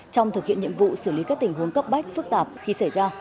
trong thực hiện nhiệm vụ xử lý các tình huống cấp bách phức tạp khi xảy ra